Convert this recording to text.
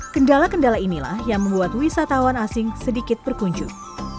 kendala kendala inilah yang membuat wisatawan asing sedikit berkunjung